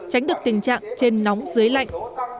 tránh được tình trạng trên nóng dưới lạnh